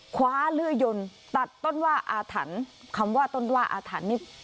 คว้าเลื่อยยนตัดต้นว่าอาถรรพ์คำว่าต้นว่าอาถรรพ์นี่